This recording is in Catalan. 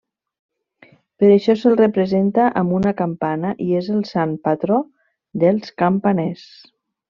Per això, se'l representa amb una campana i és el sant patró dels campaners.